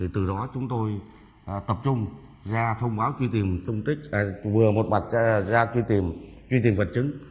từ đó chúng tôi tập trung ra thông báo truy tìm vật chứng